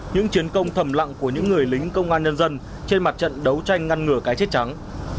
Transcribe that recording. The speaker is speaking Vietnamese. những chiến công thầm lặng của những người lính công an nhân dân trên mặt trận đấu tranh ngăn ngừa cái chết trắng